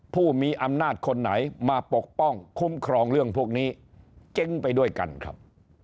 ผู้มีอำนาจคนไหนมาปกป้องคุ้มครองเรื่องพวกนี้เจ๊งไปด้วยกันครับ